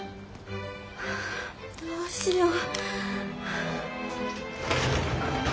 はあどうしよう。